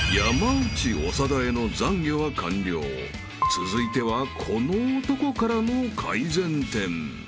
［続いてはこの男からの改善点］